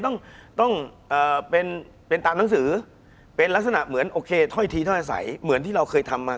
คุณผู้ชมบางท่าอาจจะไม่เข้าใจที่พิเตียร์สาร